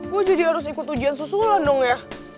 gue jadi harus ikut ujian susulan dong ya